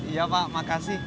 iya pak makasih